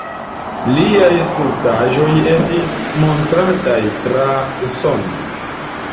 Liaj skulptaĵoj estis montrataj tra Usono.